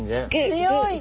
強い！